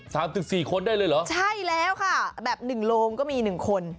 สิบสี่คนได้เลยเหรอใช่แล้วค่ะแบบหนึ่งโลงก็มีหนึ่งคน